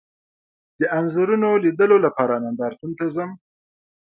د انځورونو لیدلو لپاره نندارتون ته ځم